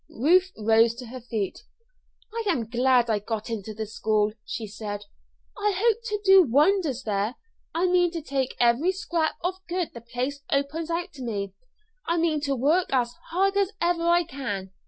Ruth rose to her feet. "I am glad I got into the school," she said. "I hope to do wonders there. I mean to take every scrap of good the place opens out to me. I mean to work as hard as ever I can.